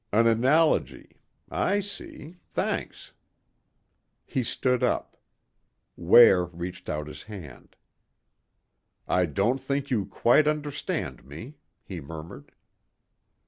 "An analogy. I see. Thanks." He stood up. Ware reached out his hand. "I don't think you quite understand me," he murmured.